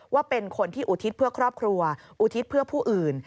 ว่าเป็นคนที่อุทิศเพื่อครอบครัวอุทิศเพื่อผู้อื่น